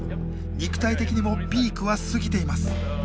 肉体的にもピークは過ぎています。